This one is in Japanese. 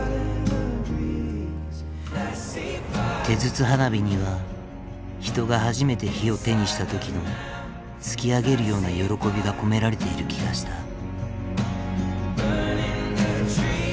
手筒花火には人が初めて火を手にした時の突き上げるような喜びが込められている気がした。